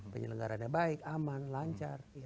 penyelenggaraannya baik aman lancar